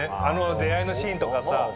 あの出会いのシーンとかさ。